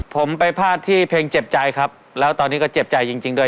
ผมไปพลาดที่เพลงเจ็บใจครับแล้วตอนนี้ก็เจ็บใจจริงด้วย